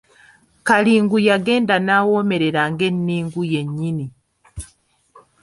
Kalingu yagenda n’awoomerera nga enningu yennyini.